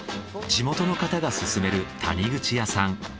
地元の方が勧める谷口屋さん。